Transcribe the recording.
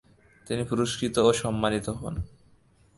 তিনি পুরস্কৃত ও সম্মানিত হন।